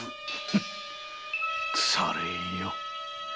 腐れ縁よ。